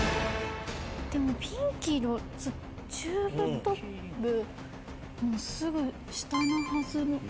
でもピンキーのチューブトップのすぐ下のはずです。